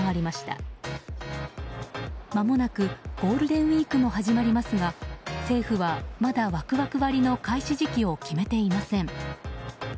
まもなくゴールデンウィークも始まりますが政府はまだワクワク割の開始時期を決めていません。